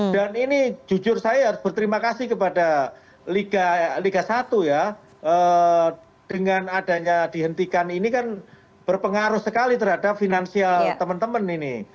dan ini jujur saya harus berterima kasih kepada liga satu ya dengan adanya dihentikan ini kan berpengaruh sekali terhadap finansial teman teman ini